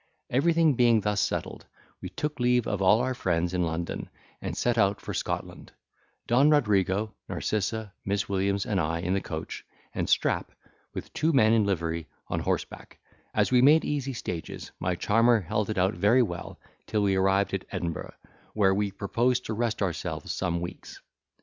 Everything being thus settled, we took leave of all our friends in London, and set out for Scotland, Don Rodrigo, Narcissa, Miss Williams, and I, in the coach, and Strap, with two men in livery, on horseback; as we made easy stages, my charmer held it out very well, till we arrived at Edinburgh, where we proposed to rest ourselves some weeks.